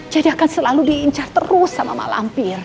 jadi akan selalu diincar terus sama mak lampir